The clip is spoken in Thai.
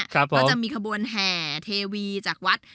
ก็จะมีขบวนแห่เทวีจากวัด